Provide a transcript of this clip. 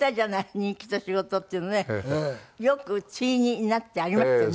人気と仕事！」っていうのねよく対になってありましたね。